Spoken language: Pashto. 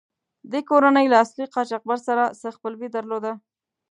دې کورنۍ له اصلي قاچاقبر سره څه خپلوي درلوده.